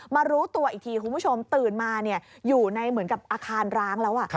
รู้ตัวอีกทีคุณผู้ชมตื่นมาอยู่ในเหมือนกับอาคารร้างแล้ว